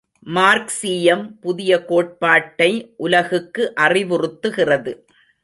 மார்க்சீயம் புதிய கோட்பாட்டை உலகுக்கு அறிவுறுத்துகிறது.